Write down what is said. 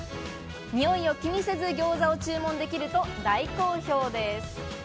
においを気にせず餃子を注文できると大好評です。